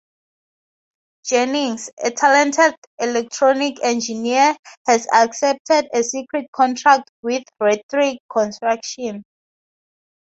Jennings, a talented electronic engineer, has accepted a secret contract with Rethrick Construction.